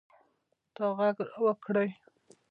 تا ږغ را وکړئ.